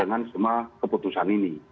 dengan semua keputusan ini